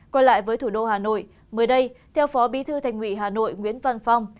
quay lại với thủ đô hà nội mới đây theo phó bí thư thành ủy hà nội nguyễn văn phong